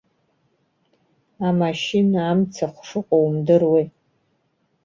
Амашьына, амцахә, шыҟоу умдыруеи.